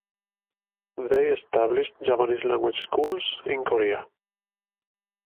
They established Japanese language schools in Korea.